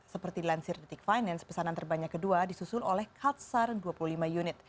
seperti dilansir detik finance pesanan terbanyak kedua disusul oleh kaltsar dua puluh lima unit